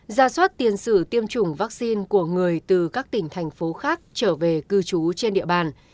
ra soát tiền sử tiêm chủng vaccine của người từ các tỉnh thành phố khác trở về cư trú trên địa bàn